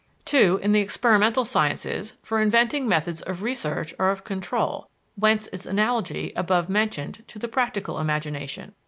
(2) In the experimental sciences for inventing methods of research or of control whence its analogy, above mentioned, to the practical imagination.